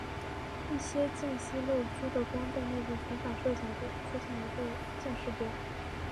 一些间隙漏出的光在内部全反射角度出现一个渐逝波。